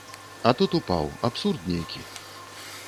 А тут упаў, абсурд нейкі.